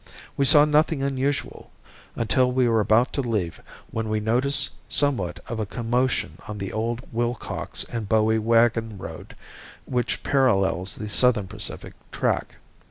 We saw nothing unusual until we were about to leave when we noticed somewhat of a commotion on the old Willcox and Bowie wagon road which parallels the Southern Pacific track.